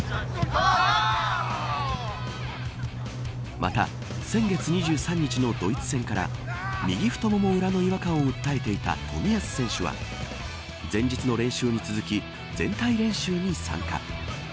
また、先月２３日のドイツ戦から右太もも裏の違和感を訴えていた冨安選手は前日の練習に続き全体練習に参加。